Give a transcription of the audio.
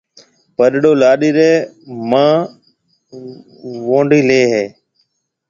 پڏڙو لاڏِي رِي مان وئونڏَي ليَ ھيََََ